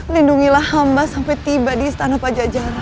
lindungi aku sampai sampai di istana pajajara